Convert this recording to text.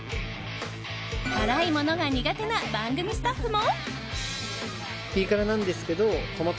辛いものが苦手な番組スタッフも。